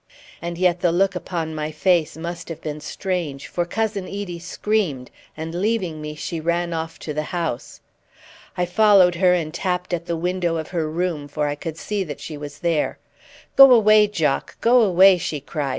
And yet the look upon my face must have been strange, for Cousin Edie screamed, and leaving me she ran off to the house. I followed her and tapped at the window of her room, for I could see that she was there. "Go away, Jock, go away!" she cried.